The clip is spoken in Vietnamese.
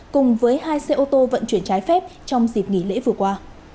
cùng với hai xe ô tô vận chuyển trái phép trong dịp nghỉ lễ vừa qua